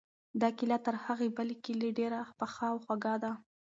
دا کیله تر هغې بلې کیلې ډېره پخه او خوږه ده.